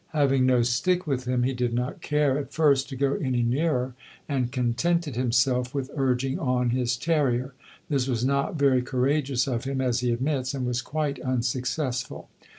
Having no stick with him he did not care, at first, to go any nearer, and contented himself with urging on his terrier. This was not very courageous of him, as he admits, and was quite unsuccessful.